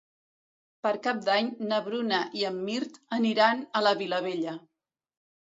Per Cap d'Any na Bruna i en Mirt aniran a la Vilavella.